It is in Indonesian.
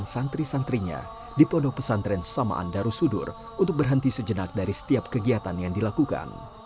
saya tidak mau menjadi orang yang buta